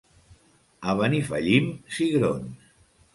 A Benifallim, cigrons.